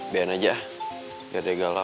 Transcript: biarin aja biar dia galau